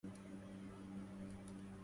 صبرت فأخلف الملك المجيد